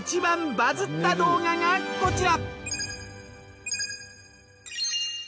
バズった動画がこちら。